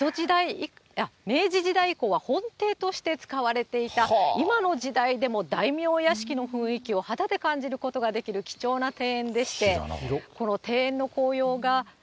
明治時代以降は本邸として使われていた、今の時代でも大名屋敷の雰囲気を肌で感じることができる貴重な庭園でして、この庭園の紅葉が。